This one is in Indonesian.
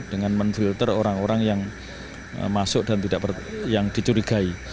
dengan memfilter orang orang yang masuk dan yang dicurigai